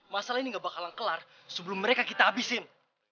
masalah ini ga bakalan kelar sebelum mereka kita abisin